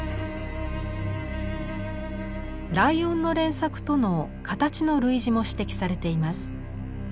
ライオンの連作との形の類似も指摘されています。